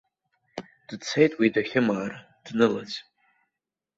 Дцеит уи дахьымаара, днылаӡ.